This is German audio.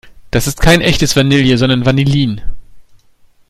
Das ist kein echtes Vanille, sondern Vanillin.